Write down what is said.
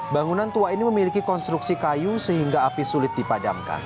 bangunan tua ini memiliki konstruksi kayu sehingga api sulit dipadamkan